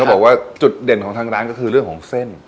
บอกว่าจุดเด่นของทางร้านก็คือเรื่องของเส้น